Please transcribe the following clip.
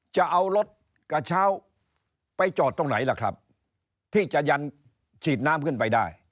จะเอารถกระเช้าไปจอดตรงไหนล่ะครับที่จะยันฉีดน้ำขึ้นไปได้